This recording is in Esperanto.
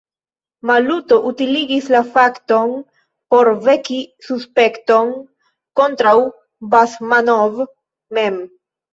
Maluto utiligis la fakton por veki suspekton kontraŭ Basmanov mem.